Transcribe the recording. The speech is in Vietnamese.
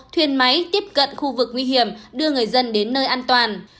thuyền máy tiếp cận khu vực nguy hiểm đưa người dân đến nơi an toàn